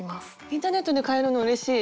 インターネットで買えるのうれしい！